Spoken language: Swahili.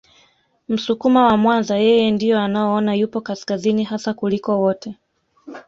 Msukuma wa Mwanza yeye ndio anaona yupo kaskazini hasa kuliko wote